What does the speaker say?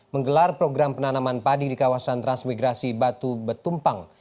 menggelar program penanaman padi di kawasan transmigrasi batu betumpang